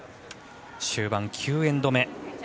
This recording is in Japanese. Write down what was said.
終盤９エンド目。